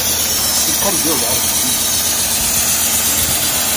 しっかり量があるのはいいよね